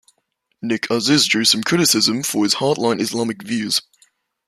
Nik Aziz drew some criticism for his hardline Islamic views.